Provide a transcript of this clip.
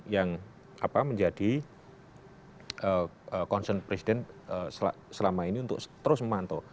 yang menjadi concern presiden selama ini untuk terus memantau